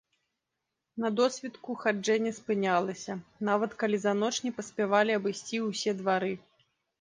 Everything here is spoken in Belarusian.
На досвітку хаджэнне спынялася, нават калі за ноч не паспявалі абысці ўсе двары.